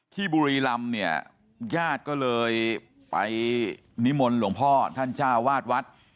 บุรีรำเนี่ยญาติก็เลยไปนิมนต์หลวงพ่อท่านเจ้าวาดวัด